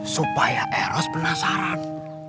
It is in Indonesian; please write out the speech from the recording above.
supaya eros penasaran